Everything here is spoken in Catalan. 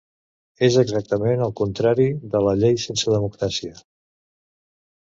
És exactament el contrari: de llei sense democràcia.